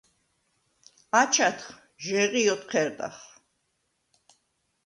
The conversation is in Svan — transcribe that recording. აჩადხ, ჟეღი̄ ოთჴერდახ.